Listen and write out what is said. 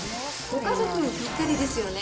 ご家族にぴったりですよね。